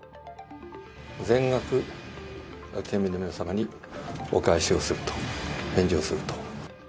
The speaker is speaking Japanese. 全額、県民の皆様にお返しをすると、返上すると。